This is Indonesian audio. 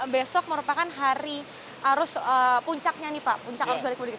besok merupakan hari arus puncaknya nih pak puncak arus balik mudik